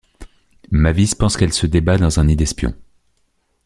Mavis pense qu'elle se débat dans un nid d'espions.